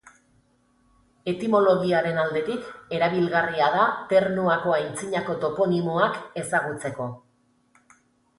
Etimologiaren aldetik, erabilgarria da Ternuako antzinako toponimoak ezagutzeko.